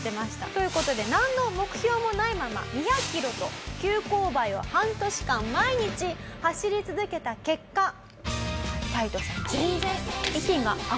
という事でなんの目標もないまま２００キロと急勾配を半年間毎日走り続けた結果タイトさん。